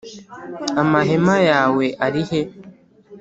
amahema yawe arihe